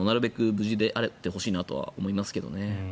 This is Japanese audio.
無事であってほしいと思いますけどね。